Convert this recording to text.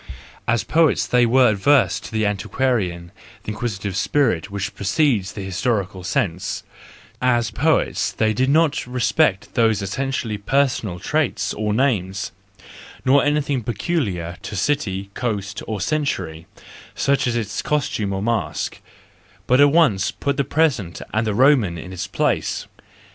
— as poets they were averse to the antiquarian, inquisitive spirit which precedes the historical sense ; as poets they did not respect those essenti Il6 THE JOYFUL WISDOM, II ally personal traits and names, nor anything peculiar to city, coast, or century, such as its costume and mask, but at once put the present and the Roman in its place.